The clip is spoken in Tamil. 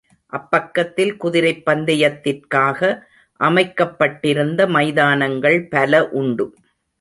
அப்பக்கத்தில் குதிரைப் பந்தயத்திற்காக அமைக்கப்பட்டிருந்த மைதானங்கள் பல உண்டு.